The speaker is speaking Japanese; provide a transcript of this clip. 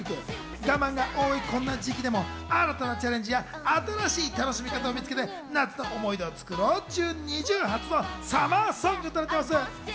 我慢が多いこんな時期でも新たなチャレンジや新しい楽しみ方を見つけて夏の思い出を作ろうというＮｉｚｉＵ初のサマーソングです。